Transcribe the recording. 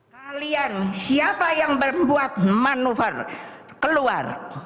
kalian siapa yang membuat manuver keluar